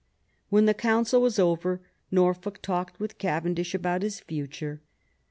When the Council was over Norfolk talked with Cavendish about his future.